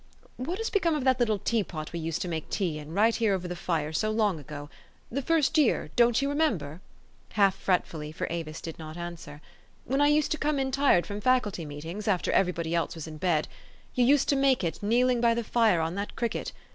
What has become of that little teapot we used to make tea in, right here over the fire, so long ago? The first year, don't you remember" (half fretfully, for Avis did not answer) ," when I used to come in tired from Faculty meetings after every body else was in bed? You used to make it kneel ing b} r the fire on that cricket.